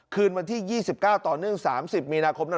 คืนวันที่๒๙ต่อหนึ่ง๓๐มีนาคม